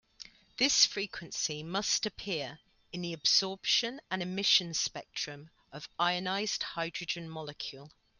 This frequency must appear in the absorption and emission spectrum of ionized hydrogen molecule.